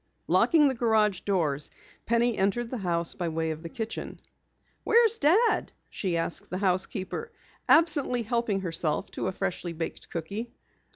Locking the garage doors, Penny entered the house by way of the kitchen. "Where's Dad?" she asked the housekeeper, absently helping herself to a freshly baked cookie.